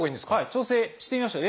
調整してみましょう。